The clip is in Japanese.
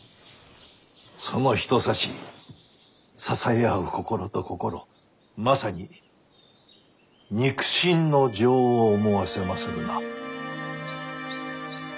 その一挿し支え合う心と心まさに肉親の情を思わせまするな。